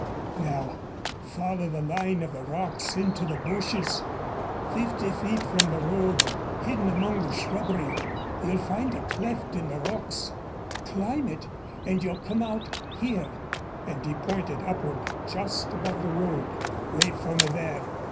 "Now follow the line of the rocks into the bushes. Fifty feet from the road, hidden among the shrubbery, you'll find a cleft in the rocks. Climb it and you'll come out here," and he pointed upward just above the road. "Wait for me there.